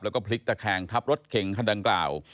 แล้วก็พลิกตะแคงทับรถเข็งคันดังกล่าว